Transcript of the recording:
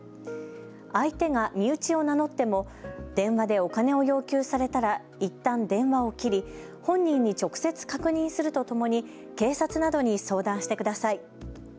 相手が身内を名乗っても電話でお金を要求されたらいったん電話を切り本人に直接確認するとともに警察などに相談してください。